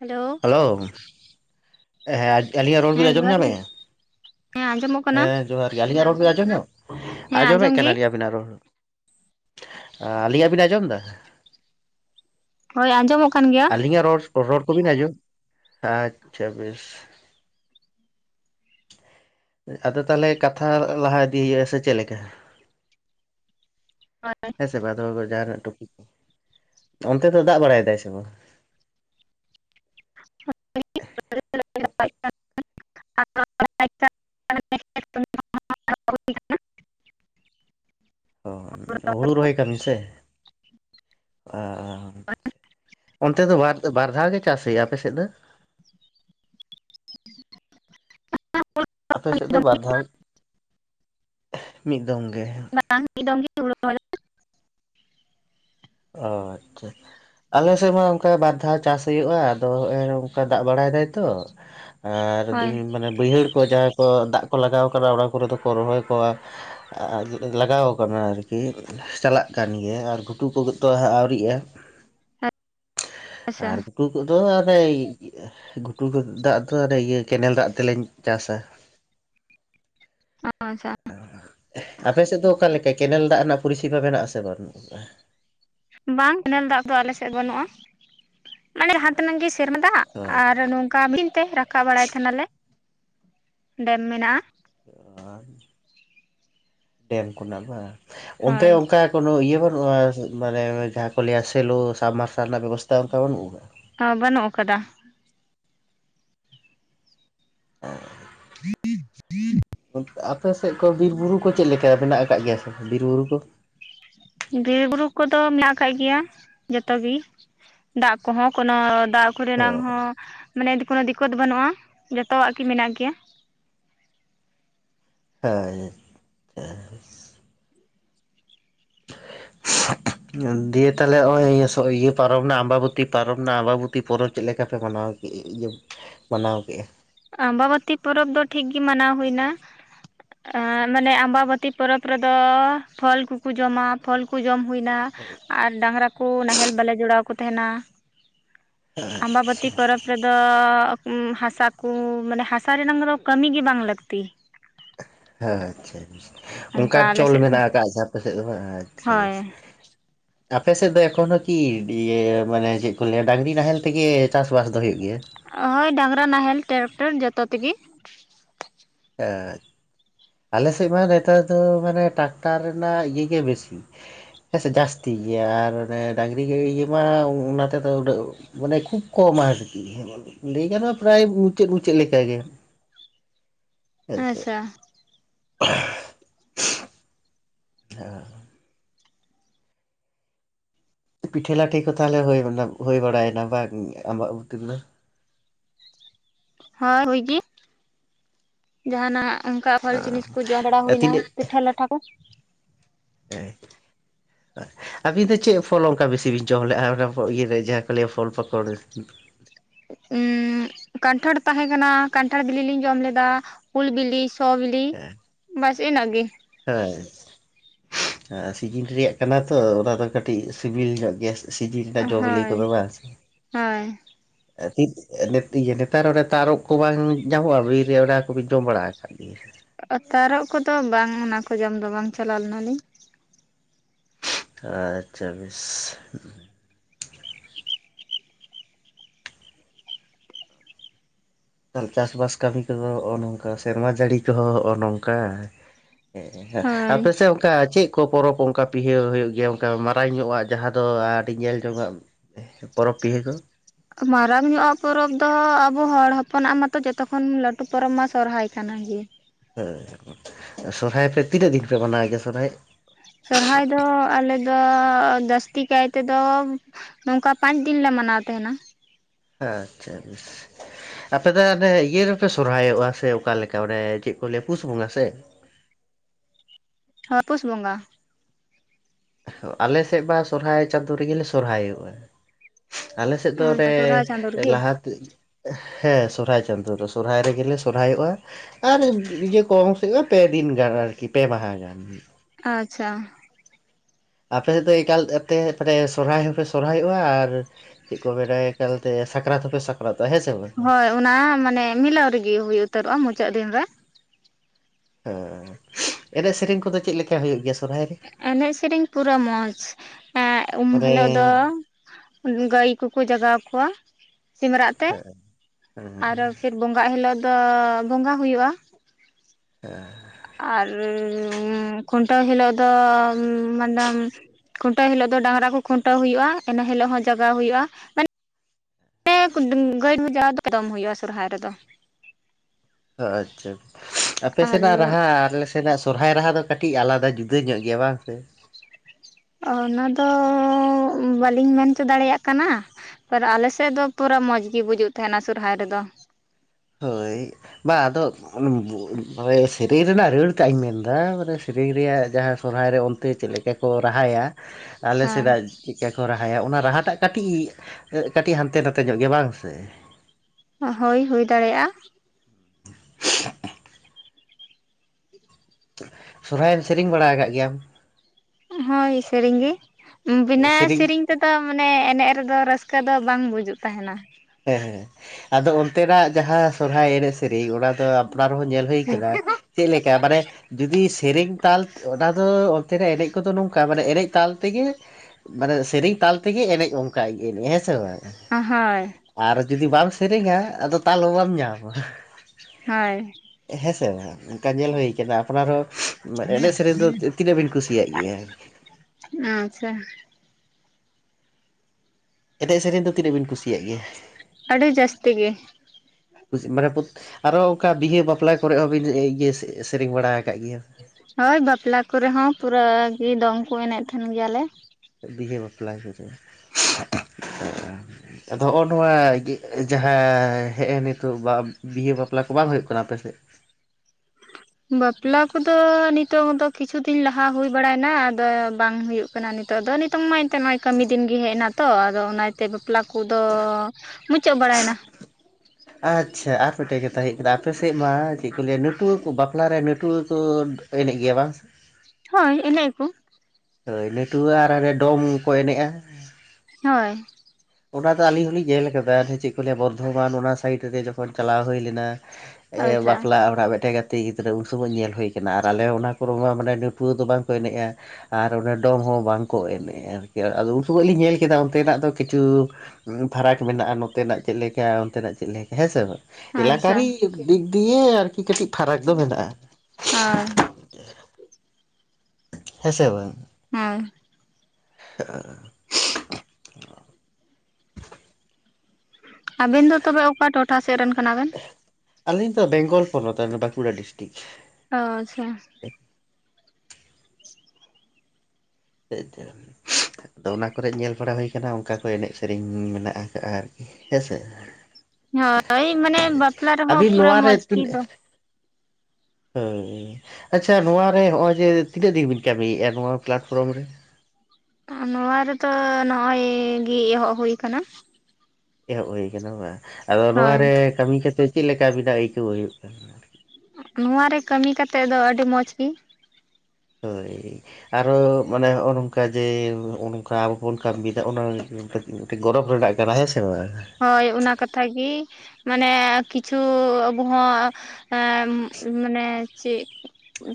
Hello. Hello ᱦᱮᱸ ᱟᱹᱞᱤᱧᱟᱜ ᱨᱳᱲ ᱵᱮᱱ ᱦᱮᱸ ᱟᱸᱡᱚᱢ ᱡᱚᱦᱟᱨ ᱧᱟᱢ ᱜᱮ ᱮᱜᱼᱟ ᱦᱮᱸ ᱟᱸᱡᱚᱢᱚᱜ [inaudible] ᱠᱟᱱᱟ ᱦᱮᱸ᱾ ᱡᱚᱦᱟᱨ ᱜᱮ ᱟᱹᱞᱤᱧᱟᱜ ᱨᱚᱲ ᱵᱤᱱ ᱟᱸᱡᱚᱢᱚᱜ ᱦᱮᱸ ᱟᱸᱡᱚᱢ ᱟᱸᱡᱚᱢᱮᱫ ᱜᱮ ᱠᱟᱱᱟᱞᱤᱧ ᱟᱵᱤᱱᱟᱜ ᱨᱚᱲ᱾ ᱟᱹᱞᱤᱧᱟᱜ ᱵᱤᱱ ᱟᱸᱡᱚᱢ ᱫᱟ᱾ ᱦᱳᱭ ᱟᱸᱡᱚᱢᱚᱜ ᱠᱟᱱ ᱜᱮᱭᱟ᱾ ᱟᱹᱞᱤᱧᱟᱜ ᱨᱚᱲ ᱨᱚᱲ ᱠᱚᱵᱤᱱ ᱟᱸᱡᱚᱢ ᱟᱪᱪᱷᱟ ᱵᱮᱥ᱾ ᱟᱫᱚ ᱛᱟᱦᱚᱞᱮ ᱠᱟᱛᱷᱟ ᱞᱟᱦᱟ ᱤᱫᱤ ᱦᱩᱭᱩᱜᱼᱟ ᱥᱮ ᱪᱮᱫᱞᱮᱠᱟ᱾ ᱦᱳᱭ [unintelligible] [unintelligible] ᱚᱱᱛᱮ ᱫᱚ ᱫᱟᱜ ᱵᱟᱲᱟᱭ ᱫᱟᱭ ᱥᱮ ᱵᱟᱝ ᱾ [unintelligible] [unintelligible] [unintelligible] ᱚ ᱦᱩᱲᱩ ᱨᱚᱦᱚᱭ ᱠᱟᱹᱢᱤ ᱥᱮ [unintelligible] ᱚᱱᱛᱮ ᱫᱚ ᱵᱟᱨ ᱵᱟᱨ ᱫᱷᱟᱣ ᱜᱮ ᱪᱟᱥ ᱦᱩᱭᱩᱜᱼᱟ ᱟᱯᱮᱥᱮᱫ ᱫᱚ᱾ ᱟᱯᱮ ᱥᱮᱫ ᱫᱚ ᱵᱟᱨ ᱫᱷᱟᱣ ᱢᱤᱫ ᱫᱚᱢ ᱜᱮ᱾ ᱵᱟᱝ ᱢᱤᱫ ᱫᱚᱢ ᱜᱮ ᱦᱩᱲᱩ ᱨᱚᱦᱚᱭ ᱫᱚ᱾ ᱟ ᱟᱪᱪᱷᱟ᱾ ᱟᱞᱮ ᱥᱮᱫ ᱢᱟ ᱚᱱᱠᱟ ᱵᱟᱨ ᱫᱷᱟᱣ ᱪᱟᱥ ᱦᱩᱭᱩᱜᱼᱟ ᱟᱫᱚ ᱚᱱᱠᱟ ᱫᱟᱜ ᱵᱟᱲᱟᱭ ᱫᱟᱭ ᱛᱚ᱾ ᱟᱨ ᱦᱳᱭ ᱢᱟᱱᱮ ᱵᱟᱹᱭᱦᱟᱹᱲ ᱠᱚ ᱡᱟᱦᱟᱸᱠᱚ ᱫᱟᱜ ᱠᱚ ᱞᱟᱜᱟᱣ ᱠᱟᱱᱟ ᱚᱱᱟ ᱠᱚ ᱨᱮ ᱫᱚᱠᱚ ᱨᱚᱦᱚᱭ ᱠᱚᱣᱟ᱾ ᱟ ᱞᱟᱜᱟᱣ ᱠᱟᱱᱟ ᱟᱨᱠᱤ ᱪᱟᱞᱟᱜ ᱠᱟᱱ ᱜᱮ ᱟᱨ ᱜᱷᱩᱴᱩ ᱠᱚ ᱛᱚ ᱦᱟᱜ ᱟᱹᱣᱨᱤᱜᱼᱟ ᱟᱪᱪᱷᱟ ᱟᱨ [unintelligible] ᱜᱷᱩᱴᱩ ᱠᱚ ᱫᱚ ᱟᱫᱚ ᱤᱭᱟᱹ ᱠᱮᱱᱮᱞ ᱫᱟᱜ ᱛᱮᱞᱮᱧ ᱪᱟᱥᱟ᱾ [unintelligible] ᱟᱯᱮ ᱥᱮᱫ ᱫᱚ ᱚᱠᱟᱞᱮᱠᱟ ᱠᱮᱱᱮᱞ ᱫᱟᱜ ᱨᱮᱱᱟᱜ ᱯᱚᱨᱤᱥᱮᱵᱟ ᱢᱮᱱᱟᱜ ᱟᱥᱮ ᱵᱟᱹᱱᱩᱜ-ᱟ᱾ ᱵᱟᱝ ᱠᱮᱱᱮᱞ ᱫᱟᱜ ᱫᱚ ᱟᱞᱮᱥᱮᱫ ᱵᱟᱹᱱᱩᱜᱼᱟ ᱢᱟᱱᱮ ᱦᱟᱛᱮᱱᱟᱝ ᱜᱮ ᱥᱮᱨᱢᱟ ᱫᱟᱜ᱾ ᱦᱳᱭ ᱟᱨ ᱱᱚᱝᱠᱟ ᱢᱤᱫᱤᱱ ᱛᱮ ᱨᱟᱠᱟᱵ ᱵᱟᱲᱟᱭ ᱛᱟᱦᱮᱱᱟ ᱞᱮ ᱰᱮᱢ ᱢᱮᱱᱟᱜᱼᱟ᱾ ᱟᱨ᱾ ᱰᱮᱢ ᱠᱷᱚᱱᱟᱜ ᱵᱟᱝ ᱚᱱᱛᱮ ᱦᱳᱭ ᱚᱝᱠᱟ ᱠᱚᱱᱳ ᱤᱭᱟᱹ ᱵᱟᱹᱱᱩᱜᱼᱟ ᱢᱟᱱᱮ ᱡᱟᱦᱟᱸ ᱠᱚ ᱞᱟᱹᱭᱟ ᱥᱮᱞᱚ ᱥᱟᱵᱢᱟᱨᱥᱟᱞ ᱨᱮᱱᱟᱜ ᱵᱮᱵᱚᱥᱛᱟ ᱚᱱᱠᱟ ᱵᱟᱹᱱᱩᱜᱼᱟ᱾ ᱟ ᱵᱟᱹᱱᱩᱜ ᱟᱠᱟᱫᱟ᱾ [unintelligible] ᱟᱯᱮ ᱥᱮᱫ ᱠᱚ ᱵᱤᱨ ᱵᱩᱨᱩ ᱠᱚ ᱪᱮᱫ ᱞᱮᱠᱟ ᱢᱮᱱᱟᱜ ᱟᱠᱟᱫ ᱜᱮᱭᱟ ᱥᱮ ᱵᱤᱨ ᱵᱩᱨᱩ ᱠᱚ᱾ ᱵᱤᱨ ᱵᱩᱨᱩ ᱠᱚ ᱫᱚ ᱢᱮᱱᱟᱜ ᱟᱠᱟᱜ ᱜᱮᱭᱟ ᱡᱚᱛᱚ ᱜᱮ ᱫᱟᱜ ᱠᱚ ᱦᱚᱸ ᱠᱚᱱᱚ ᱫᱟᱜ ᱠᱚᱨᱮᱱᱟᱝ ᱦᱚᱸ ᱢᱟᱱᱮ ᱫᱤᱠᱩᱨᱚ ᱫᱤᱠᱚᱛ ᱵᱟᱹᱱᱩᱜᱼᱟ ᱡᱚᱛᱚᱣᱟᱜ ᱜᱮᱤ ᱢᱮᱱᱟᱜ ᱜᱮᱭᱟ᱾ ᱦᱮ ᱦᱮ᱾ [inaudible] [inaudible] ᱫᱤᱭᱮ ᱛᱟᱦᱚᱞᱮ ᱱᱚᱜ ᱚᱚᱭ ᱤᱭᱟ ᱟᱢᱵᱟᱵᱛᱤ ᱯᱟᱨᱚᱵᱽ ᱨᱮᱱᱟᱜ ᱟᱢᱵᱟᱵᱛᱤ ᱯᱚᱨᱚᱵᱽ ᱪᱮᱫ ᱞᱮᱠᱟ ᱯᱮ ᱢᱟᱱᱟᱣ ᱠᱮᱫᱼᱟ? ᱤᱭᱟᱹ ᱢᱟᱱᱟᱣ ᱠᱮᱫᱼᱟ᱾ ᱟᱢᱵᱟᱵᱚᱛᱤ ᱯᱚᱨᱚᱵᱽ ᱫᱚ ᱴᱷᱤᱠᱜᱤ ᱢᱟᱱᱟᱣ ᱦᱩᱭᱱᱟ᱾ ᱢᱟᱱᱮ ᱟᱢᱵᱟᱵᱛᱤ ᱯᱚᱨᱚᱵᱽ ᱨᱮᱫᱚ ᱯᱷᱚᱞ ᱠᱚᱠᱚ ᱡᱚᱢᱟ᱾ ᱯᱷᱚᱞ ᱠᱚ ᱡᱚᱢ ᱦᱩᱭᱱᱟ ᱟᱨ ᱰᱟᱝᱨᱟ ᱠᱚ ᱱᱟᱦᱮᱞ ᱵᱟᱞᱮ ᱡᱚᱲᱟᱣ ᱠᱚ ᱛᱟᱦᱮᱸᱱᱟ᱾ ᱟᱢᱵᱟᱵᱛᱤ ᱯᱚᱨᱚᱵᱽ ᱨᱮ ᱫᱚ ᱦᱟᱥᱟ᱾ ᱠᱚ ᱢᱟᱱᱮ ᱦᱟᱥᱟ ᱨᱮᱱᱟᱝ ᱫᱚ ᱠᱟᱹᱢᱤ ᱜᱮ ᱵᱟᱝ ᱞᱟᱹᱠᱛᱤ᱾ ᱦᱮᱸ ᱟᱪᱷᱟ᱾ ᱚᱱᱠᱟ ᱟᱞᱮ ᱪᱚᱞ ᱥᱮᱫ ᱫᱚ ᱢᱮᱱᱟᱜ ᱟᱠᱟᱫ ᱟᱯᱮ ᱥᱮᱫ ᱫᱚ ᱟᱪᱷᱟ ᱵᱮᱥ᱾ ᱦᱳᱭ ᱟᱯᱮᱥᱮᱫ ᱫᱚ ᱮᱠᱷᱚᱱᱳ ᱠᱤ ᱤᱭᱟᱹ ᱢᱟᱱᱮ ᱪᱮᱫ ᱠᱚ ᱞᱮᱰᱟᱹᱟᱝᱜᱤ ᱱᱟᱦᱮᱞ ᱛᱮᱜᱮ ᱪᱟᱥ ᱵᱟᱥ ᱫᱚ ᱦᱩᱭᱩᱜᱭ ᱜᱮᱭᱟ᱾ ᱦᱳᱭ ᱰᱟᱝᱨᱟ ᱱᱟᱦᱮᱞ ᱴᱨᱟᱠᱴᱟᱨ ᱡᱚᱛᱚ ᱛᱮ ᱜᱮ᱾ ᱟᱞᱮ ᱥᱮᱫ ᱢᱟ ᱱᱮᱛᱟᱨ ᱫᱚ ᱢᱟᱱᱮ ᱴᱨᱟᱠᱴᱟᱨ ᱨᱮᱱᱟᱜ ᱤᱭᱟᱹᱮ ᱵᱮᱥᱤ᱾ ᱦᱮᱸᱥᱮ ᱡᱟᱹᱥᱛᱤ ᱜᱮᱭᱟ ᱟᱨ ᱚᱱᱮ ᱰᱟᱝᱨᱤ ᱤᱭᱟᱹ ᱢᱟ ᱚᱱᱟ ᱛᱮᱫᱚ ᱩᱱᱟᱹᱜ᱾ ᱢᱟᱱᱮ ᱠᱷᱩᱵ ᱠᱚᱢᱟ ᱱᱤᱱᱡᱟᱨ ᱢᱟ ᱯᱨᱟᱭ ᱢᱩᱪᱟᱹᱫ ᱢᱩᱪᱟᱹᱫ ᱞᱮᱠᱟ ᱜᱮ᱾ ᱦᱮᱸ ᱥᱮ᱾ ᱟᱪᱪᱷᱟ [unintelligible] ᱯᱤᱴᱷᱟᱹ ᱞᱟᱴᱷᱤᱠ ᱠᱚ ᱛᱟᱦᱚᱞᱮ ᱦᱩᱭ ᱵᱟᱲᱟᱭᱮᱱᱟ ᱵᱟᱝ ᱟᱢᱵᱛᱤᱟ ᱨᱮ ᱫᱚ ᱾ ᱦᱳᱭ ᱦᱩᱭ ᱜᱮ ᱡᱟᱦᱟᱸ ᱱᱟᱜ᱾ ᱚᱱᱠᱟ ᱵᱷᱚᱞ ᱡᱤᱱᱤᱥ ᱠᱚ ᱡᱚᱢ ᱵᱟᱲᱟ ᱚ ᱦᱩᱭᱱᱟ ᱛᱤᱱᱟᱹᱜ ᱯᱤᱴᱷᱟᱹ ᱞᱟᱴᱷᱟ ᱠᱚ᱾ [unintelligible] ᱟᱹᱵᱤᱱ ᱫᱚ ᱪᱮᱫ ᱯᱷᱚᱞ ᱚᱱᱠᱟ ᱵᱮᱥᱤ ᱵᱤᱱ ᱡᱚᱢ ᱞᱮᱫᱼᱟ ᱚᱱᱟ ᱤᱭᱟᱹᱟᱹᱨᱮ ᱡᱟᱦᱟᱸ ᱠᱚ ᱞᱟᱹᱭᱟ ᱯᱷᱚᱞ ᱯᱟᱠᱚᱲ? [unintelligible] ᱠᱟᱱᱴᱷᱟᱲ ᱛᱟᱦᱮᱸ ᱠᱟᱱᱟ ᱠᱟᱱᱴᱷᱟᱲ ᱵᱤᱞᱤ ᱞᱤᱧ ᱡᱚᱢ ᱞᱮᱫᱟ ᱩᱞ ᱵᱤᱞᱤᱪ᱾ ᱥᱚ ᱵᱤᱞᱤ ᱵᱟᱥ ᱤᱱᱟᱹ ᱜᱮ᱾ ᱦᱮᱸ ᱟᱨ ᱥᱤᱡᱤᱱ ᱨᱮᱭᱟᱜ ᱠᱟᱱᱟ ᱛᱚ ᱚᱱᱟ ᱫᱚ ᱠᱟᱹᱴᱤᱡ ᱥᱤᱵᱤᱞ ᱧᱚᱜ ᱜᱮᱭᱟ᱾ ᱥᱤᱡᱤᱱ ᱨᱮᱱᱟ ᱡᱚ ᱵᱤᱞᱤ ᱦᱳᱭ ᱠᱚᱫᱚ ᱵᱟᱝ ᱥᱮ? ᱦᱳᱭ᱾ [unintelligible] ᱤᱭᱟᱹ ᱱᱮᱛᱟᱨ ᱚᱸᱰᱮ ᱛᱟᱨᱚᱵ ᱠᱚ ᱵᱟᱝ ᱧᱟᱢᱚᱜᱼᱟ ᱵᱤᱨ ᱨᱮ ᱚᱱᱟ ᱠᱚᱵᱤᱱ ᱡᱚᱢ ᱵᱟᱲᱟ ᱟᱠᱟᱫ ᱜᱮ? ᱛᱟᱨᱚᱜ ᱠᱚᱫᱚ ᱵᱟᱝ ᱚᱱᱟ ᱠᱚ ᱡᱚᱢ ᱫᱚ ᱵᱟᱝ ᱪᱟᱞᱟᱣ ᱞᱮᱱᱟ ᱞᱤᱧ᱾ ᱟᱨ ᱪᱷᱟᱵᱤᱥ᱾ ᱪᱟᱥᱵᱟᱥ ᱠᱟᱹᱢᱤ ᱠᱚᱫᱚ ᱱᱚᱜᱼᱚ ᱱᱚᱝᱠᱟ, ᱥᱮᱨᱢᱟ ᱡᱟᱹᱲᱤ ᱠᱚᱦᱚᱸ ᱱᱚᱜᱼᱚ ᱱᱚᱝᱠᱟ᱾ ᱮᱸ ᱦᱳᱭ ᱟᱯᱮ ᱥᱮᱱ᱾ ᱚᱱᱠᱟ ᱪᱮᱫ ᱠᱚ ᱯᱚᱨᱚᱵᱽ ᱚᱱᱠᱟ ᱯᱤᱦᱟᱹ ᱦᱩᱭᱩᱜ ᱜᱮᱭᱟ ᱚᱱᱠᱟ ᱢᱟᱨᱟᱝ ᱧᱚᱜᱼᱟ ᱡᱟᱦᱟᱸ ᱫᱚ ᱟᱹᱰᱤ ᱧᱮᱞ ᱡᱚᱝ ᱟ᱾ ᱯᱚᱨᱚᱵᱽ ᱯᱤᱦᱟᱹ ᱠᱚ᱾ ᱢᱟᱨᱟᱝ ᱧᱚᱜ-ᱟ ᱯᱚᱨᱚᱵᱽ ᱫᱚ ᱟᱵᱚ ᱦᱚᱲ ᱦᱚᱯᱚᱱᱟᱜ ᱢᱟᱛᱚ ᱡᱚᱛᱚᱠᱷᱚᱱ ᱞᱟᱹᱴᱩ ᱯᱚᱨᱚᱵᱽ ᱢᱟ ᱥᱚᱨᱦᱟᱭ ᱠᱟᱱᱟ ᱜᱮ᱾ ᱳ ᱥᱚᱨᱦᱟᱭ ᱯᱮ ᱛᱤᱱᱟᱹᱜ ᱫᱤᱱ ᱯᱮ ᱢᱟᱱᱟᱣ ᱜᱮᱭᱟ ᱥᱚᱨᱦᱟᱭ? ᱥᱚᱨᱦᱟᱭ ᱫᱚ ᱟᱞᱮᱫᱚ ᱡᱟᱹᱥᱛᱤ ᱠᱟᱭ ᱛᱮᱫᱚ᱾ ᱱᱚᱝᱠᱟ ᱯᱟᱸᱪ ᱫᱤᱱᱞᱮ ᱢᱟᱱᱟᱣ ᱛᱟᱦᱮᱸᱱᱟ᱾ ᱦᱮᱸ ᱟᱪᱷᱟ ᱵᱮᱥ᱾ ᱟᱯᱮ ᱫᱚ ᱚᱱᱮ ᱤᱭᱟᱹ ᱨᱮᱯᱮ ᱥᱚᱨᱦᱟᱭᱚᱜᱼᱟ ᱥᱮ ᱚᱠᱟᱞᱮᱠᱟ ᱚᱱᱮ ᱪᱮᱫ ᱠᱚ ᱞᱟᱹᱭᱟ ᱯᱩᱥ ᱵᱚᱸᱜᱟ ᱥᱮ᱾ ᱦᱚᱸ ᱯᱩᱥ ᱵᱚᱸᱜᱟ᱾ ᱟᱞᱮ ᱥᱮᱫ ᱢᱟ ᱥᱚᱨᱦᱟᱭ ᱪᱟᱸᱫᱳ ᱨᱮᱜᱮ ᱞᱮ ᱥᱚᱨᱦᱟᱭᱚᱜᱼᱟ᱾ ᱟᱞᱮ ᱥᱮᱫ ᱫᱚ ᱚᱸᱰᱮ ᱟᱪᱪᱷᱟ ᱥᱚᱨᱦᱟᱭ ᱪᱟᱸᱫᱳ ᱨᱮᱜᱮ ᱞᱟᱦᱟ ᱦᱮᱸ ᱥᱚᱨᱦᱟᱭ ᱪᱟᱸᱫᱳ ᱫᱚ ᱥᱚᱨᱦᱟᱭ ᱨᱮᱜᱮ ᱞᱮ ᱥᱚᱨᱦᱟᱭᱚᱜ-ᱟ ᱾ ᱟᱨ ᱤᱭᱟᱹ ᱠᱚᱢ ᱥᱮᱫ ᱦᱚᱸ ᱯᱮ ᱫᱤᱱ ᱜᱟᱱ ᱟᱨᱠᱤ ᱯᱮ ᱢᱟᱦᱟ ᱜᱟᱱ ᱾ ᱟᱪᱪᱷᱟ ᱾ ᱟᱯᱮ ᱥᱮᱫ ᱫᱚ ᱮᱠᱟᱞ ᱛᱮ ᱢᱟᱱᱮ ᱥᱚᱨᱦᱟᱭ ᱦᱚᱸᱯᱮ ᱥᱚᱨᱦᱟᱭᱚᱜ-ᱟ ᱟᱨ ᱪᱮᱫ ᱠᱚ ᱢᱮᱱᱟ ᱮᱠᱟᱞᱛᱮ ᱥᱟᱠᱨᱟᱛ ᱦᱚᱸᱯᱮ ᱥᱟᱠᱨᱟᱛᱚᱜ-ᱟ ᱦᱮᱸᱥᱮ ᱵᱟᱝ? ᱦᱳᱭ ᱚᱱᱟ ᱢᱟᱱᱮ ᱢᱤᱞᱟᱹᱣ ᱨᱮᱜᱮ ᱦᱩᱭ ᱩᱛᱟᱹᱨᱚᱜ-ᱟ ᱢᱩᱪᱟᱹᱫ ᱫᱤᱱ ᱨᱮ᱾ ᱦᱚᱸ, ᱮᱱᱮᱡ ᱥᱮᱨᱮᱧ ᱠᱚᱫᱚ ᱪᱮᱫ ᱞᱮᱠᱟ ᱦᱩᱭᱩᱜ ᱜᱮᱭᱟ? ᱥᱚᱨᱦᱟᱭ ᱮᱱᱮᱡ ᱥᱮᱨᱮᱧ ᱯᱩᱨᱟᱹ ᱢᱚᱸᱡᱽ ᱮᱸ ᱩᱢ ᱢᱟᱱᱮ ᱦᱤᱞᱚᱜ ᱫᱚ ᱜᱟᱹᱭ ᱠᱚᱠᱚ ᱡᱟᱜᱟᱣ ᱠᱚᱣᱟ ᱥᱤᱢᱨᱟᱜ ᱛᱮ [inaudible] [inaudible] ᱟᱨᱚ ᱯᱷᱤᱨ ᱵᱚᱸᱜᱟ ᱦᱤᱞᱳᱜ ᱫᱚ ᱵᱚᱸᱜᱟ ᱦᱩᱭᱩᱜ-ᱟ ᱾ ᱦᱮᱸ ᱾ ᱟᱨ ᱠᱷᱩᱱᱴᱟᱹᱣ ᱦᱤᱞᱳᱜ ᱫᱚᱻ ᱢᱮᱰᱟᱢ ᱠᱷᱩᱱᱴᱟᱹᱣ ᱦᱤᱞᱳᱜ ᱫᱚ ᱰᱟᱝᱨᱟ ᱠᱚ ᱠᱷᱩᱱᱴᱟᱹᱣ ᱦᱩᱭᱩᱜ-ᱟ, ᱤᱱᱟᱹ ᱦᱤᱞᱳᱜ ᱦᱚᱸ ᱡᱟᱜᱟᱣ ᱦᱩᱭᱩᱜ-ᱟ, ᱢᱟᱱ ᱮ ᱜᱟᱹᱭ ᱡᱟ [inaudible] ᱫᱚᱢ ᱦᱩᱭᱩᱜ-ᱟ ᱥᱚᱨᱦᱟᱭ ᱨᱮᱫᱚ ᱾ ᱟᱪᱪᱷᱟ ᱾ ᱟᱯᱮ ᱟᱨ ᱥᱮᱱᱟᱜ ᱨᱟᱦᱟ ᱟᱞᱮ ᱥᱮᱱᱟᱜ ᱥᱚᱨᱦᱟᱭ ᱨᱟᱦᱟ ᱫᱚ ᱠᱟᱹᱴᱤᱡ ᱟᱞᱟᱫᱟ ᱡᱩᱫᱟᱹ ᱧᱚᱜ ᱜᱮᱭᱟ ᱵᱟᱝ ᱥᱮ ᱾ ᱚ ᱚᱱᱟ ᱫᱚ ᱵᱟᱹᱞᱤᱧ ᱢᱮᱱᱪᱚ ᱫᱟᱲᱮᱭᱟᱜ ᱠᱟᱱᱟ᱾ ᱯᱚᱨ ᱟᱞᱮ ᱥᱮᱫ ᱫᱚ ᱯᱩᱨᱟᱹ ᱢᱚᱸᱡᱽ ᱜᱤ ᱵᱩᱡᱩᱜ ᱛᱟᱦᱮᱸᱱᱟ ᱥᱚᱨᱦᱟᱭ ᱨᱮᱫᱚ᱾ ᱦᱳᱭ᱾ ᱵᱟ ᱟᱫᱚ [unintelligible] ᱦᱳᱭ ᱥᱮᱨᱮᱧ ᱨᱮᱱᱟᱜ ᱨᱟᱹᱲ ᱴᱟ ᱤᱧ ᱢᱮᱱᱫᱟ ᱢᱟᱱᱮ ᱥᱮᱨᱮᱧ ᱨᱮᱭᱟᱜ ᱡᱟᱦᱟᱸ ᱥᱚᱨᱦᱟᱭ ᱨᱮ ᱚᱱᱛᱮ ᱪᱮᱫ ᱞᱮᱠᱟ ᱠᱚ ᱨᱟᱦᱟᱭᱟ ᱟᱞᱮ ᱦᱮᱸ ᱥᱮᱫᱟᱜ ᱠᱟ ᱠᱚ ᱨᱟᱦᱟᱭᱟ ᱚᱱᱟ ᱨᱟᱦᱟᱴᱟᱜ ᱠᱟᱹᱴᱤᱡ ᱠᱟᱹᱴᱤᱡ ᱦᱟᱱᱛᱮ ᱱᱟᱛᱮ ᱧᱚᱜ ᱜᱮᱭᱟ ᱵᱟᱝ ᱥᱮ ᱾ ᱦᱳᱭ ᱦᱩᱭ ᱫᱟᱲᱮᱭᱟᱜ-ᱟ᱾ ᱥᱚᱨᱦᱟᱭᱮᱢ ᱥᱮᱨᱮᱧ ᱵᱟᱲᱟ ᱟᱠᱟᱫ ᱜᱮᱭᱟᱢ? ᱦᱳᱭ ᱥᱮᱨᱮᱧ ᱜᱮ, ᱵᱤᱱᱟᱹ ᱥᱮᱨᱮᱧ ᱛᱮᱫᱚ ᱢᱟᱱᱮ ᱮᱱᱮᱡ ᱨᱮᱫᱚ ᱨᱟᱹᱥᱠᱟᱹ ᱫᱚ ᱵᱟᱝ ᱵᱩᱡᱩᱜ ᱛᱟᱦᱮᱸᱱᱟ᱾ ᱦᱮᱸ ᱦᱮᱸ ᱟᱫᱚ ᱚᱱᱛᱮᱱᱟᱜ ᱡᱟᱦᱟᱸ ᱥᱚᱨᱦᱟᱭ ᱮᱱᱮᱡ ᱥᱮᱨᱮᱧ ᱚᱱᱟ ᱫᱚ ᱟᱯᱱᱟᱨ ᱦᱚᱸ ᱧᱮᱞ ᱦᱩᱭ ᱟᱠᱟᱱᱟ, ᱪᱮᱫ ᱞᱮᱠᱟ ᱢᱟᱱᱮ ᱡᱩᱫᱤ ᱥᱮᱨᱮᱧ ᱛᱟᱞ ᱚᱱᱟ ᱫᱚ ᱚᱱᱛᱮᱱᱟᱜ ᱮᱱᱮᱡ ᱠᱚᱫᱚ ᱱᱚᱝᱠᱟ ᱢᱟᱱᱮ ᱮᱱᱮᱡ ᱛᱟᱞ ᱛᱮᱜᱮ ᱢᱟᱱᱮ ᱥᱮᱨᱮᱧ ᱛᱟᱞ ᱛᱮᱜᱮ ᱮᱱᱮᱡ ᱚᱱᱠᱟ ᱮᱱᱮᱡ ᱦᱮᱸ ᱥᱮ ᱵᱟᱝ ᱾ ᱟ ᱦᱳᱭ ᱾ ᱟᱨ ᱡᱩᱫᱤ ᱵᱟᱢ ᱥᱮᱨᱮᱧᱟ ᱟᱫᱚ ᱛᱟᱞ ᱦᱚᱸ ᱵᱟᱢ ᱧᱟᱢᱟ ᱾ ᱦᱳᱭ ᱾ ᱦᱮᱸ ᱥᱮ ᱵᱟᱝ ᱾ ᱚᱱᱠᱟ ᱧᱮᱞ ᱦᱩᱭ ᱟᱠᱟᱱᱟ ᱟᱯᱱᱟᱨ ᱦᱚᱸ, ᱮᱱᱮᱡ ᱥᱮᱨᱮᱧ ᱫᱚ ᱛᱤᱱᱟᱹᱜ ᱵᱤᱱ ᱠᱩᱥᱤᱭᱟᱜ ᱜᱮᱭᱟ? ᱟᱪᱪᱷᱟ ᱾ ᱮᱱᱮᱡ ᱥᱮᱨᱮᱧ ᱫᱚ ᱛᱤᱱᱟᱹᱜ ᱵᱤᱱ ᱠᱩᱥᱤᱭᱟᱜ ᱜᱮᱭᱟ? ᱟᱹᱰᱤ ᱡᱟᱹᱥᱛᱤ ᱜᱮ ᱾ [unintelligible] ᱟᱨᱚ ᱚᱱᱠᱟ ᱵᱤᱦᱟᱹ ᱵᱟᱯᱞᱟ ᱠᱚᱨᱮᱜ ᱦᱚᱸᱵᱤᱱ ᱤᱭᱟᱹ ᱥᱮᱨᱮᱧ ᱵᱟᱲᱟ ᱟᱠᱟᱫ ᱜᱮᱭᱟ ᱾ ᱦᱳᱭ ᱵᱟᱯᱞᱟ ᱠᱚᱨᱮ ᱦᱚᱸ ᱯᱩᱨᱟᱹ ᱜᱮ ᱫᱚᱝ ᱠᱚ ᱮᱱᱮᱡ ᱛᱟᱦᱮᱱ ᱜᱮᱭᱟᱞᱮ ᱾ ᱵᱤᱦᱟᱹ ᱵᱟᱯᱞᱟ ᱠᱚᱨᱮ [inaudible] ᱟᱫᱚ ᱦᱚᱸᱜᱼᱚ ᱱᱚᱣᱟ ᱡᱟᱦᱟᱸ ᱦᱮᱜ ᱱᱤᱛᱚᱜ ᱵᱟ᱾ ᱵᱤᱦᱟᱹ ᱵᱟᱯᱞᱟ ᱠᱚ ᱵᱟᱝ ᱦᱩᱭᱩᱜ ᱠᱟᱱᱟ ᱟᱯᱮᱥᱮᱫ? ᱵᱟᱯᱞᱟ ᱠᱚᱫᱚ ᱱᱤᱛᱚᱜ ᱫᱚ ᱠᱤᱪᱷᱩ ᱫᱤᱱ ᱞᱟᱦᱟ ᱦᱩᱭ ᱵᱟᱲᱟᱭᱱᱟ ᱟᱫᱚ ᱵᱟᱝ ᱦᱩᱭᱩᱜ ᱠᱟᱱᱟ᱾ ᱠᱟᱱᱟ ᱱᱤᱛᱚᱜ ᱫᱚ ᱱᱤᱛᱚᱝ ᱢᱟ ᱮᱱᱮᱫ ᱱᱚᱜᱼᱚᱭ ᱠᱟᱹᱢᱤ ᱫᱤᱱ ᱜᱮ ᱦᱮᱡ ᱮᱱᱟ ᱛᱚ ᱟᱫᱚ ᱚᱱᱟ᱾ ᱛᱮ ᱵᱟᱯᱞᱟ ᱠᱚᱫᱚ ᱢᱩᱪᱟᱹᱫ ᱵᱟᱲᱟᱭᱮᱱᱟ᱾ ᱟᱪᱪᱷᱟ ᱟᱨ ᱢᱤᱫᱴᱮᱡ ᱠᱟᱛᱷᱟ ᱦᱮᱡ ᱠᱟ ᱟᱯᱮ ᱥᱮᱫ ᱢᱟ ᱪᱮᱫ ᱠᱚ ᱞᱟᱹᱭᱟ ᱱᱟᱹᱴᱩᱣᱟᱹ ᱠᱚ ᱵᱟᱯᱞᱟᱨᱮ ᱱᱟᱹᱴᱩᱣᱟᱹ ᱠᱚ᱾ ᱮᱱᱮᱡ ᱜᱮᱭᱟ ᱵᱟᱝ᱾ ᱦᱳᱭ ᱮᱱᱮᱡ ᱟᱠᱚ᱾ ᱦᱳᱭ ᱱᱟᱹᱴᱩᱣ ᱟᱨ ᱰᱚᱢ ᱠᱚ ᱮᱱᱮᱡᱼᱟ᱾ ᱦᱳᱭ᱾ ᱚᱱᱟᱛᱮ ᱟᱹᱞᱤᱧ ᱦᱚᱞᱤᱧ ᱧᱮᱞ ᱠᱟᱫᱟ ᱪᱮᱫ ᱠᱚ ᱞᱟᱹᱭᱟ ᱵᱚᱨᱫᱷᱚᱢᱟᱱ ᱚᱱᱟ ᱥᱟᱭᱤᱰ ᱛᱮ ᱡᱚᱠᱷᱚᱱ ᱪᱟᱞᱟᱣ ᱦᱩᱭ ᱞᱮᱱᱟ᱾ ᱮ ᱟᱪᱪᱷᱟ ᱵᱟᱯᱞᱟ ᱚᱲᱟᱜ ᱢᱮᱴᱮᱜ ᱠᱟᱛᱮ᱾ ᱜᱤᱫᱽᱨᱟᱹ ᱩᱱ ᱥᱚᱢᱚᱭ ᱧᱮᱞ ᱦᱩᱭ ᱠᱟᱱᱟ ᱟᱨ ᱟᱞᱮ ᱚᱱᱟ ᱠᱚᱨᱮᱢᱟ ᱢᱟᱱᱮ ᱱᱟᱹᱴᱩᱣᱟᱹ ᱫᱚ ᱵᱟᱝᱠᱚ ᱮᱱᱮᱡᱼᱟ᱾ ᱟᱨ ᱚᱱᱮ ᱫᱚᱝ ᱦᱚᱸ ᱵᱟᱝᱠᱚ ᱮᱱᱮᱡᱼᱟ ᱟᱨᱠᱤ ᱟᱫᱚ ᱩᱱ ᱥᱠᱷᱚᱡ ᱞᱤᱧ ᱧᱮᱞ ᱠᱮᱫᱟ ᱚᱱᱛᱮᱱᱟᱜ ᱫᱚ᱾ ᱠᱤᱪᱷᱩ ᱯᱷᱟᱨᱟᱠ ᱢᱮᱱᱟᱜᱼᱟ ᱱᱚᱛᱮᱱᱟᱜ ᱪᱮᱫ ᱞᱮᱠᱟ ᱚᱱᱛᱮᱱᱟᱜ ᱪᱮᱫ ᱞᱮᱠᱟ ᱦᱮᱸ ᱥᱮ ᱵᱟᱝ? ᱟᱪᱪᱷᱟ ᱮᱞᱟᱠᱟᱨᱤ ᱫᱤᱠ ᱫᱤᱭᱮ ᱟᱨᱠᱤ ᱠᱟᱹᱴᱤᱡ ᱯᱷᱟᱨᱟᱠ ᱫᱚ ᱢᱮᱱᱟᱜᱼᱟ᱾ ᱦᱳᱭ᱾ ᱦᱮᱸᱥᱮ ᱵᱟᱝ᱾ ᱦᱩᱸ ᱦᱮᱸ [inaudible] ᱟᱵᱤᱱ ᱫᱚ ᱛᱚᱦᱞᱮ ᱚᱠᱟ ᱴᱚᱴᱷᱟ ᱥᱮᱫ ᱨᱮᱱ ᱠᱟᱱᱟ ᱵᱤᱱ? ᱟᱹᱞᱤᱧ ᱫᱚ ᱵᱮᱝᱜᱚᱞ ᱯᱚᱱᱚᱛ ᱵᱟᱸᱠᱩᱲᱟ ᱰᱤᱥᱴᱤᱠ᱾ ᱚ ᱟᱪᱪᱷᱟ᱾ ᱛᱮᱡ ᱛᱮ᱾ ᱟᱫᱚ ᱚᱱᱟ ᱠᱚᱨᱮ ᱧᱮᱞ ᱵᱟᱲᱟ ᱦᱩᱭ ᱠᱟᱱᱟ ᱚᱱᱠᱟ ᱠᱚ ᱮᱱᱮᱡ ᱥᱮᱨᱮᱧ ᱢᱮᱱᱟᱜ ᱟᱠᱟᱜᱼᱟ ᱟᱨᱠᱤ ᱦᱮᱸᱥᱮ᱾ ᱦᱳᱭ ᱢᱟᱱᱮ ᱵᱟᱯᱞᱟ ᱨᱮᱦᱚᱸ ᱟᱹᱵᱤᱱ ᱯᱩᱨᱟ ᱱᱚᱣᱟᱨᱮ ᱢᱚᱸᱡᱽᱜᱮ ᱛᱤᱱᱟᱹᱜ ᱫᱚ᱾ ᱦᱳᱭ ᱟᱪᱷᱟ ᱱᱚᱣᱟ ᱨᱮ ᱱᱚᱜᱚᱭ ᱡᱮ ᱛᱤᱱᱟᱹᱜ ᱫᱤᱱ ᱵᱤᱱ ᱠᱟᱹᱢᱤᱭᱮᱫᱼᱟ ᱱᱚᱣᱟ ᱯᱞᱟᱴᱯᱷᱨᱚᱢ ᱨᱮ? ᱱᱚᱶᱟ ᱨᱮᱫᱚ ᱱᱚᱜᱚᱭ ᱜᱤ ᱮᱦᱚᱵ ᱦᱩᱭᱩ ᱟᱠᱟᱱᱟ᱾ ᱮᱦᱚᱵ ᱦᱩᱭ ᱟᱠᱟᱱᱟ ᱵᱟᱝ ᱟᱫᱚ ᱦᱳᱭ ᱱᱚᱣᱟᱨᱮ ᱠᱟᱹᱢᱤ ᱠᱟᱛᱮᱫ ᱪᱮᱫ ᱞᱮᱠᱟ ᱵᱤᱱ ᱟᱹᱭᱠᱟᱹᱣ ᱦᱩᱭᱩᱜ ᱠᱟᱱᱟ? ᱱᱚᱣᱟ ᱨᱮ ᱠᱟᱹᱢᱤ ᱠᱟᱛᱮᱫ ᱫᱚ ᱟᱹᱰᱤ ᱢᱚᱡᱽᱜᱤ᱾ ᱦᱳᱭ᱾ ᱟᱨᱚ ᱢᱟᱱᱮ ᱦᱚᱜᱼᱚᱭ ᱱᱚᱝᱠᱟ ᱡᱮ ᱱᱚᱜ ᱱᱚᱝᱠᱟ ᱟᱵᱚ ᱵᱚᱱ ᱠᱟᱹᱢᱤᱭᱮᱫᱟ ᱚᱱᱟ᱾ ᱢᱤᱫᱴᱮᱱ ᱜᱚᱨᱚᱵᱽ ᱨᱮᱱᱟᱜ ᱠᱟᱱᱟ ᱦᱮᱸ ᱥᱮ ᱵᱟᱝ᱾ ᱦᱳᱭ ᱚᱱᱟ ᱠᱟᱛᱷᱟᱜ ᱜᱮ᱾ ᱢᱟᱱᱮ ᱠᱤᱪᱷᱩ ᱟᱵᱚ ᱦᱚᱸ ᱮ ᱢᱟᱱᱮ ᱪᱮᱫ?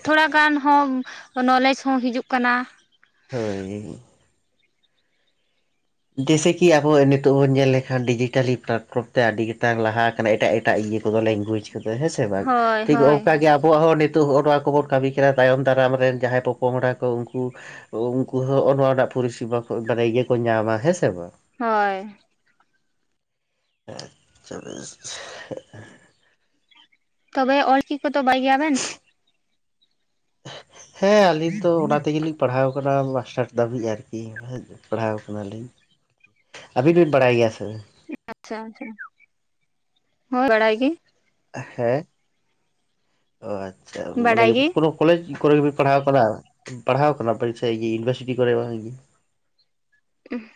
ᱛᱷᱚᱲᱟᱜᱟᱱ ᱦᱚᱸ ᱱᱚᱞᱮᱡ ᱦᱚᱸ ᱦᱤᱡᱩᱜ ᱠᱟᱱᱟ᱾ ᱦᱳᱭ ᱾ ᱡᱮᱭᱥᱮ ᱠᱤ ᱟᱵᱚ ᱱᱤᱛᱚᱜ ᱵᱚᱱ ᱧᱮᱞ ᱞᱮᱠᱷᱟᱱ ᱰᱤᱡᱤᱴᱟᱞᱤ ᱯᱞᱟᱴᱯᱷᱨᱚᱢ ᱛᱮ ᱟᱹᱰᱤ ᱜᱮᱛᱟᱝ ᱞᱟᱦᱟ ᱟᱠᱟᱱᱟ ᱮᱴᱟᱜ ᱮᱴ᱾ ᱮᱴᱟᱜ ᱤᱭᱟᱹ ᱠᱚᱫᱚ ᱞᱮᱝᱜᱩᱭᱡᱽ ᱠᱚᱫᱚ ᱦᱮᱸᱥᱮ ᱵᱟᱝ ᱦᱳᱭ ᱴᱷᱤᱠ ᱦᱳᱭ ᱚᱱᱠᱟᱜ ᱜᱮ ᱟᱵᱚᱣᱟᱜ ᱦᱚᱸ ᱱᱤᱛ᱾ ᱛᱳ ᱦᱚᱜᱼᱚ ᱱᱚᱣᱟ ᱠᱚᱵᱚᱱ ᱠᱟᱹᱢᱤ ᱠᱟᱱᱟ ᱛᱟᱭᱚᱢ ᱫᱟᱨᱟᱢ ᱨᱮᱱ ᱡᱟᱦᱟᱸᱭ ᱯᱚᱯᱚᱝᱲᱟ ᱠᱚ ᱩᱱᱠᱩ᱾ ᱩᱱᱠᱩ ᱦᱚᱸᱜ ᱱᱚᱣᱟᱴᱟᱜ ᱯᱚᱨᱤᱥᱮᱵᱟ ᱠᱚ ᱢᱟᱱᱮ ᱤᱭᱟᱹᱠᱚ ᱧᱟᱢᱟ ᱦᱮᱸ ᱥᱮ ᱵᱟᱝ? ᱦᱳᱭ᱾ ᱟᱪᱪᱷᱟ ᱵᱮᱥ [unintelligible] ᱛᱚᱵᱮ ᱚᱞᱪᱤᱠᱤ ᱠᱚ ᱫᱚ ᱵᱟᱲᱟᱭ ᱜᱮᱭᱟ ᱵᱤᱱ? ᱦᱮᱸ ᱟᱹᱞᱤᱧ ᱫᱚ ᱚᱱᱟ ᱛᱮᱜᱮᱞᱤᱧ ᱯᱟᱲᱦᱟᱣ ᱠᱟᱱᱟ ᱢᱟᱥᱴᱟᱨ᱾ ᱫᱷᱟᱹᱵᱤᱡ ᱟᱨᱠᱤ ᱯᱟᱲᱦᱟᱣ ᱠᱟᱱᱟᱞᱤᱧ ᱟᱹᱵᱤᱱ ᱵᱤᱱ ᱵᱟᱲᱟᱭ ᱜᱮᱭᱟ ᱥᱮ? ᱟᱪᱪᱷᱟ ᱟᱪᱪᱷᱟ ᱦᱳ ᱵᱟᱲᱟᱭ ᱜᱤ ᱾ ᱦᱮᱸ, ᱚ ᱟᱪᱪᱷᱟ ᱢᱟᱱᱮ ᱵᱟᱰᱟᱭ ᱜᱮ ᱯᱩᱨᱳ ᱠᱚᱞᱮᱡᱽ ᱠᱚᱨᱮ ᱜᱮᱵᱤᱱ ᱯᱟᱲᱦᱟᱣ ᱟᱠᱟᱱᱟ ᱯᱟᱲᱦᱟᱣ ᱟᱠᱟᱱᱟ ᱵᱮᱱ ᱥᱮ ᱮ ᱤᱭᱩᱱᱤᱵᱷᱟᱨᱥᱤᱴᱤ ᱠᱚᱨᱮ? ᱩᱸᱜ-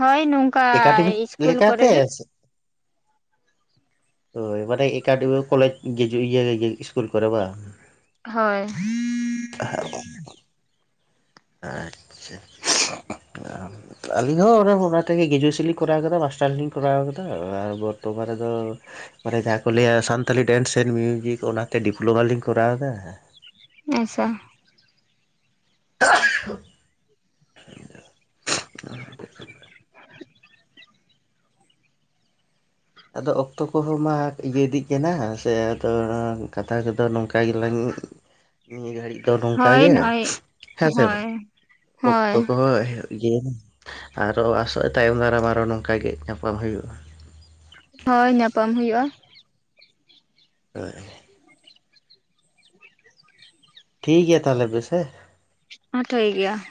ᱦᱳᱭ ᱱᱚᱝ ᱮᱠᱟᱰᱮᱢᱤᱠ ᱞᱮᱠᱟᱛᱮ ᱥᱮ? ᱦᱳᱭ ᱢᱟᱱᱮ ᱮᱠᱟᱰᱮᱢᱤ ᱠᱚᱞᱮᱡᱽ ᱜᱮᱡᱩ ᱤᱭᱟ ᱤᱥᱠᱩᱞ ᱠᱚᱨᱮᱵᱟ? ᱦᱳᱭ ᱾ [unintelligible] ᱟᱪᱪᱷᱟ [unintelligible] ᱟ ᱾ ᱟᱹᱞᱤᱧ ᱦᱚᱸ ᱚᱱᱟ ᱚᱱᱟ ᱛᱮᱜᱮ ᱜᱮᱡᱩᱭᱮᱥᱮᱱ ᱞᱤᱧ ᱠᱚᱨᱟᱣ ᱟᱠᱟᱫᱟ ᱢᱟᱥᱴᱟᱨ ᱞᱤᱧ ᱠᱚᱨᱟᱣ ᱟᱠᱟᱫᱟ ᱟᱨ ᱵᱚᱨᱛᱚᱢᱟᱱ ᱨᱮᱫᱚ ᱢᱟᱱᱮ ᱡᱟᱦᱟᱸ ᱠᱚ ᱞᱟᱹᱭᱟ ᱥᱟᱱᱛᱟᱞᱤ ᱰᱮᱱᱥ ᱮᱱ ᱢᱤᱭᱩᱡᱤᱠ ᱚᱱᱟᱛᱮ ᱰᱤᱯᱞᱳᱢᱟᱞᱤᱧ ᱠᱚᱨᱟᱣᱫᱟ ᱾ ᱟᱭᱥᱟ ᱾ [inaudible] [inaudible] ᱟᱫᱚ ᱚᱠᱛᱚ ᱠᱚᱦᱚᱸ ᱢᱟ ᱤᱭᱟᱹ ᱤᱫᱤᱜ ᱠᱟᱱᱟ ᱥᱮ ᱟᱫᱚ ᱠᱟᱛᱷᱟ ᱠᱚᱫᱚ ᱱᱚᱝᱠᱟ ᱜᱮᱞᱟᱝ [inaudible] ᱱᱤᱭᱟᱹ ᱜᱷᱟᱹᱲᱤᱡ ᱫᱚ ᱱᱚᱝᱠᱟ ᱦᱳᱭ ᱜᱮ ᱱᱚᱜᱼᱚᱭ ᱦᱮᱸ ᱥᱮ ᱵᱟᱝ ᱦᱳᱭ ᱦᱳᱭ ᱚᱠᱛᱚ ᱠᱚᱦᱚᱸ ᱦᱮ ᱜᱮ ᱟᱨᱚ ᱟᱥᱚᱜ ᱛᱟᱭᱚᱢ ᱫᱟᱨᱟᱢ ᱟᱨᱚ ᱱᱚᱝᱠᱟ ᱜᱮ ᱧᱟᱯᱟᱢ ᱦᱩᱭᱩᱜᱼᱟ ᱾ ᱦᱳᱭ ᱧᱟᱯᱟᱢ ᱦᱩᱭᱩᱜᱼᱟ ᱾ ᱦᱳᱭ ᱾ ᱴᱷᱤᱠ ᱜᱮᱭᱟ ᱛᱟᱦᱚᱞᱮ ᱵᱮᱥᱮ ᱾ ᱟ ᱴᱷᱤᱠ ᱜᱮᱭᱟ ᱾